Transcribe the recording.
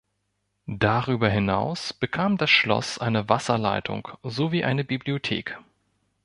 Darüber hinaus bekam das Schloss eine Wasserleitung sowie eine Bibliothek.